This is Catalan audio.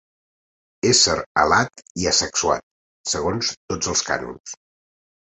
Ésser alat i asexuat, segons tots els cànons.